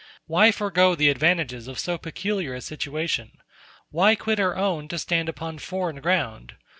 Why forego the advantages of so peculiar a situation? Why quit our own to stand upon foreign ground?